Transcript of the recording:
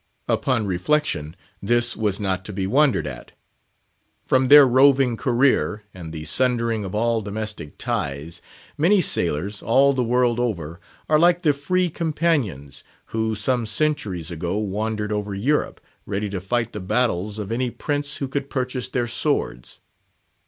Upon reflection, this was not to be wondered at. From their roving career, and the sundering of all domestic ties, many sailors, all the world over, are like the "Free Companions," who some centuries ago wandered over Europe, ready to fight the battles of any prince who could purchase their swords.